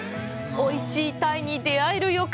おいしい鯛に出会える予感！